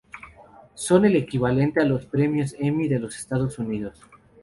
Son el equivalente a los premios Emmy de los Estados Unidos.